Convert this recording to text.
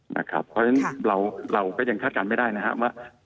เพราะฉะนั้นเราก็ยังคาดการณ์ไม่ได้นะครับว่า